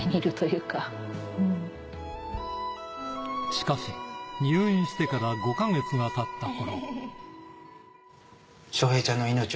しかし、入院してから５か月が経った頃。